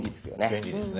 便利ですね。